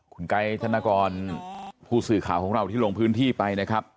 คุณไกด์ธนกรผู้สื่อข่าวของเราที่ลงพื้นที่ไปนะครับ